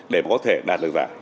để có thể đạt được giải